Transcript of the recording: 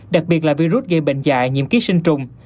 đặc biệt là virus gây bệnh dại nhiễm ký sinh trùng